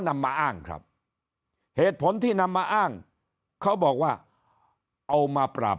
นำมาอ้างครับเหตุผลที่นำมาอ้างเขาบอกว่าเอามาปราบ